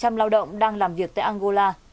có hàng trăm lao động đang làm việc tại angola